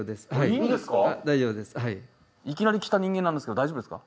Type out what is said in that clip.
大丈夫ですはいいきなり来た人間なんですけど大丈夫ですか？